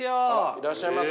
いらっしゃいます？